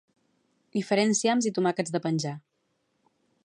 hi faré enciams i tomàquets de penjar